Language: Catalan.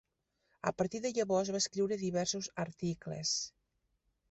A partir de llavors va escriure diversos articles.